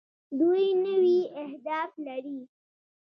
دوی نوي اهداف لري.